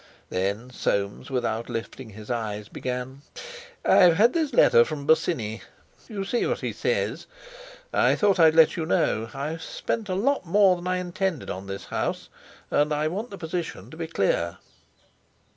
Then Soames, without lifting his eyes, began: "I've had this letter from Bosinney. You see what he says; I thought I'd let you know. I've spent a lot more than I intended on this house, and I want the position to be clear."